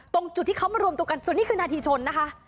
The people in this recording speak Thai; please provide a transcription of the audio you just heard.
ตรงจุดที่เขามารวมตัวกันส่วนนี้คือนาทีชนนะคะ